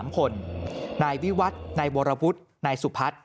๓คนนายวิวัฒน์นายโบราพุทธนายสุภัทร